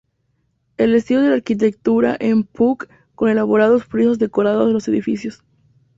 El estilo de la arquitectura es Puuc, con elaborados frisos decorando los edificios.